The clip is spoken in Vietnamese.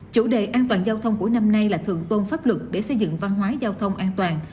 chủ đề an toàn giao thông của năm nay là thượng tôn pháp luật để xây dựng văn hóa giao thông an toàn